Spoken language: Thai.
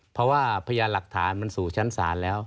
เพราะว่าพยานหลักฐานมันสู่ชั้นศาลแล้ว